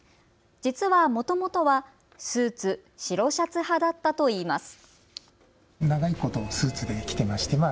実は、もともとはスーツ、白シャツ派だったといいます。